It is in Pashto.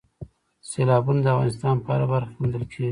سیلابونه د افغانستان په هره برخه کې موندل کېږي.